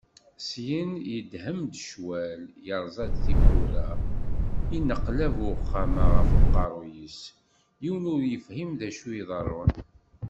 Syin yedhem-d ccwal, yerẓa-d tiwwura, yenneqlab uxxam-a ɣef uqerru-is, yiwen ur yefhim d acu i iḍerrun.